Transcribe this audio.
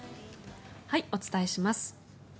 お伝えします。